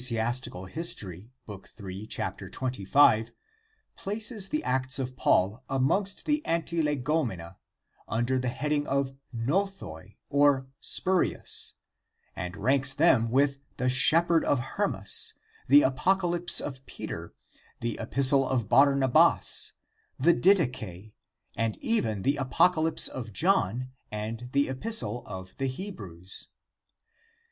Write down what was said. Ill, 25, 4), places the Acts of Paul amongst the Antilegomena, under the heading of nothoi or spurious, but ranks them with the Shepherd of Hermas, the Apocalypse of Peter, the Epistle of Barnabas, the Didache, and even the Apocalypse of John and the Epistle of the Hebrews.